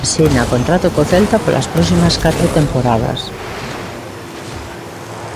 Asina contrato co Celta polas próximas catro temporadas.